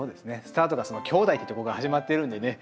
スタートがきょうだいっていうとこから始まってるんでね